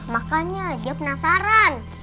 makanya dia penasaran